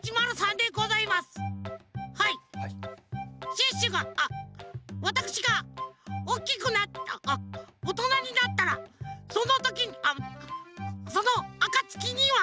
シュッシュがあっわたくしがおっきくなあっおとなになったらそのときにあっそのあかつきには。